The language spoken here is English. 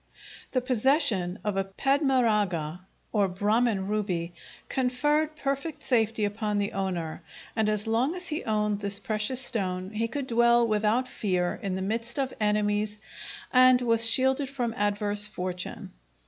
The possession of a padmarâga, or Brahmin ruby, conferred perfect safety upon the owner, and as long as he owned this precious stone he could dwell without fear in the midst of enemies and was shielded from adverse fortune.